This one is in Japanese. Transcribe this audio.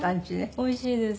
おいしいです。